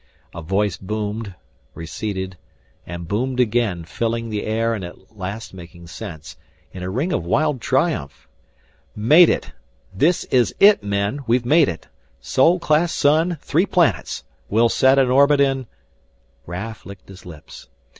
A voice boomed, receded, and boomed again, filling the air and at last making sense, in it a ring of wild triumph! "Made it! This is it, men, we've made it; Sol class sun three planets. We'll set an orbit in " Raf licked his lips.